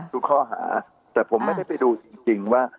ทุกข้อหาแต่ผมไม่ได้ไปดูจริงว่า